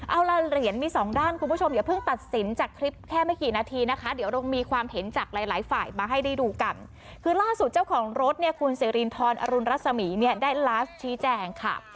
เอาละเหรียญมี๒ด้านคุณผู้ชมเดี๋ยวเพิ่งตัดสินจากคลิปแค่ไม่กี่นาทีนะคะ